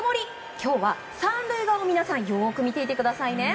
今日は３塁を皆さんをよく見ていてくださいね。